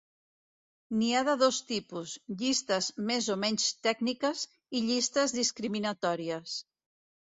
N'hi ha de dos tipus: llistes més o menys tècniques i llistes discriminatòries.